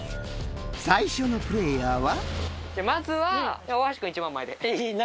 最初のプレーヤーは。